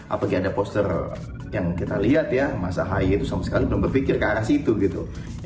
apalagi ada poster yang kita lihat ya mas ahaye itu sama sekali belum berpikir ke arah situ gitu